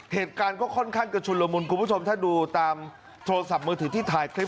เหตุการณ์ก็ค่อนข้างจะชุนละมุนคุณผู้ชมถ้าดูตามโทรศัพท์มือถือที่ถ่ายคลิป